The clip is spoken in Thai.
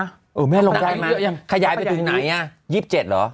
เออแม่ลงได้ไหมขยายไปถึงไหนอ่ะ๒๗เหรอ